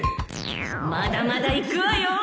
まだまだ行くわよ！